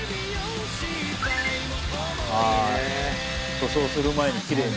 塗装する前にきれいに。